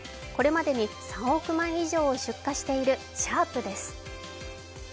これまでに３億枚以上を出荷しているシャープです。